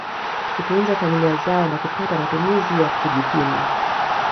kutunza familia zao na kupata matumizi ya kujikimu